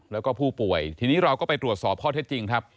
แล้วก็ผู้ป่วยทีนี้เราก็ไปตรวจสอบข้อเท็จจริงครับ